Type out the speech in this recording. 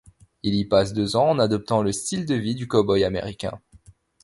Il y passe deux ans en adoptant le style de vie du cow-boy américain.